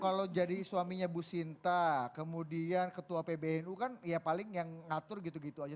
kalau jadi suaminya bu sinta kemudian ketua pbnu kan ya paling yang ngatur gitu gitu aja